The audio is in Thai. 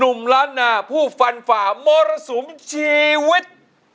ล้านนาผู้ฟันฝ่ามรสุมชีวิต